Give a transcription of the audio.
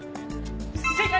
正解！